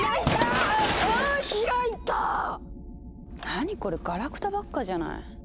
何これガラクタばっかじゃない。